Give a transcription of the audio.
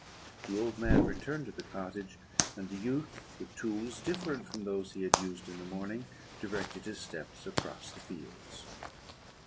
The old man returned to the cottage; and the youth, with tools different from those he had used in the morning, directed his steps across the fields.